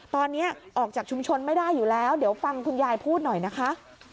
ตอนนี้ออกจากชุมชนไม่ได้อยู่แล้วเดี๋ยวฟังคุณยายพูดหน่อยนะคะ